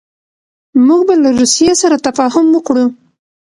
موږ به له روسیې سره تفاهم وکړو.